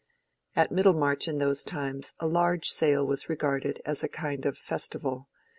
At Middlemarch in those times a large sale was regarded as a kind of festival.